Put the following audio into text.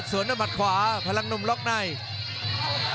ส่วนด้วยหมัดขวาพลังหนุ่มล็อกใน